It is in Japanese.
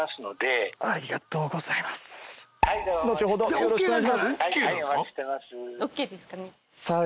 後ほどよろしくお願いします。